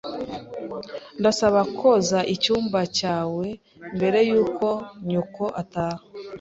Ndasaba koza icyumba cyawe mbere yuko nyoko ataha.